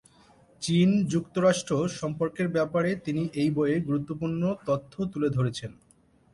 চীন-যুক্তরাষ্ট্র সম্পর্কের ব্যাপারে তিনি এই বইয়ে গুরুত্ব পূর্ন তথ্য তুলে ধরেছেন।